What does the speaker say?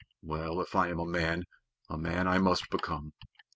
Well, if I am a man, a man I must become."